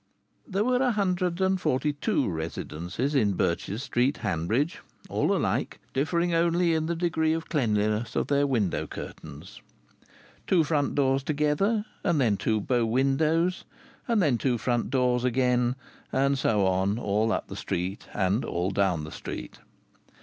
There were a hundred and forty two residences in Birches Street, Hanbridge, all alike, differing only in the degree of cleanliness of their window curtains. Two front doors together, and then two bow windows, and then two front doors again, and so on all up the street and all down the street.